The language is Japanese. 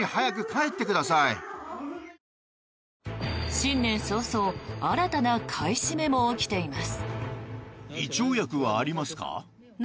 新年早々新たな買い占めも起きています。